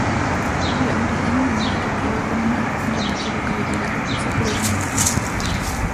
Laurie era una niña atractiva, con una llamativa cabellera rojiza, pero era muy tímida.